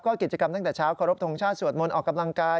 กิจกรรมตั้งแต่เช้าขอรบทรงชาติสวดมนต์ออกกำลังกาย